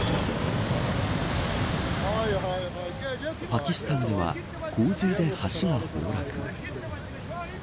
パキスタンでは洪水で橋が崩落。